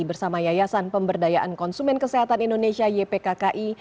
bersama yayasan pemberdayaan konsumen kesehatan indonesia ypkki